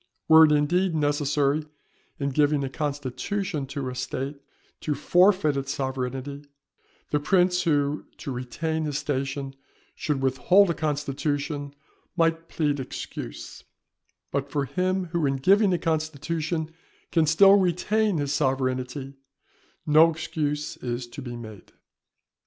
Were it indeed necessary in giving a constitution to a State to forfeit its sovereignty, the prince who, to retain his station, should withhold a constitution, might plead excuse; but for him who in giving a constitution can still retain his sovereignty, no excuse is to be made.